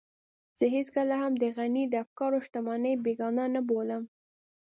زه هېڅکله هم د غني د افکارو شتمنۍ بېګانه نه بولم.